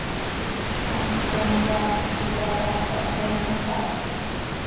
Hast tom yaa quih cöpitalhaa, sahtxima caha.